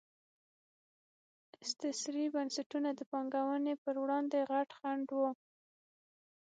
استثري بنسټونه د پانګونې پر وړاندې غټ خنډ وو.